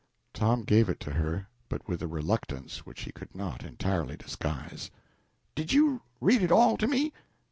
Tom gave it to her, but with a reluctance which he could not entirely disguise. "Did you read it all to me?"